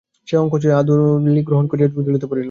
সে অসংকোচে আধুলি গ্রহণ করিয়া ঝুলিতে পুরিল।